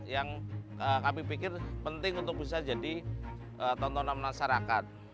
yang kami pikir penting untuk bisa jadi tontonan masyarakat